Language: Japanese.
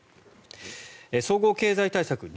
総合経済対策